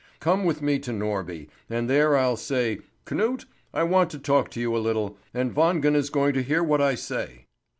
Come with me to Norby, and there I'll say: 'Knut, I want to talk to you a little, and Wangen is going to hear what I say.'